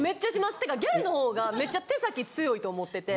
ってかギャルのほうがめっちゃ手先強いと思ってて。